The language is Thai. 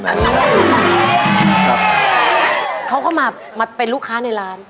เขาก็มามาเป็นลูกค้าในร้าน